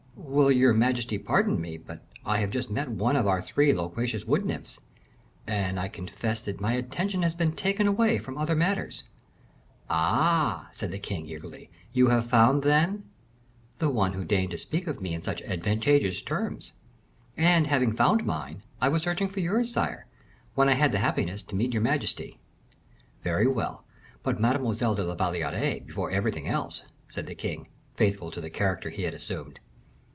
"Will your majesty pardon me; but I have just met one of our three loquacious wood nymphs, and I confess that my attention has been taken away from other matters." "Ah!" said the king, eagerly, "you have found, then " "The one who deigned to speak of me in such advantageous terms; and, having found mine, I was searching for yours, sire, when I had the happiness to meet your majesty." "Very well; but Mademoiselle de la Valliere before everything else," said the king, faithful to the character he had assumed.